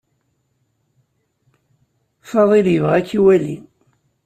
Faḍil yebɣa ad k-iwali.